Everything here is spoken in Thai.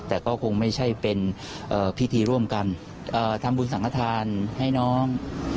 แต่ก็คงไม่ใช่เป็นพิธีร่วมกันทำบุญสังฆฐานให้น้อง